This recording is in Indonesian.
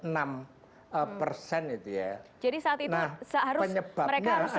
jadi saat itu seharusnya mereka harus segera mendapatkan kepastian